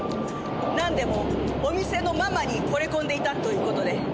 なんでもお店のママに惚れ込んでいたという事で。